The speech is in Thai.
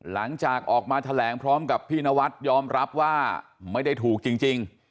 หลังจากออกมาแถลงพร้อมกับพี่นวัดยอมรับว่าไม่ได้ถูกจริง